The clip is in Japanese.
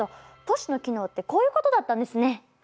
都市の機能ってこういうことだったんですね。